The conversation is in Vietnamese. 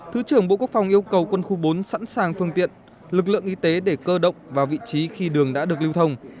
thứ trưởng bộ quốc phòng yêu cầu quân khu bốn sẵn sàng phương tiện lực lượng y tế để cơ động vào vị trí khi đường đã được lưu thông